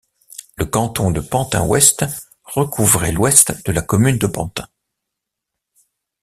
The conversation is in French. Le canton de Pantin-Ouest recouvrait l'ouest de la commune de Pantin.